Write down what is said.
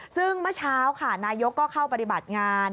ซึ่งเมื่อเช้าค่ะนายกก็เข้าปฏิบัติงาน